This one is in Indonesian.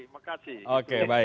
baik baik makasih makasih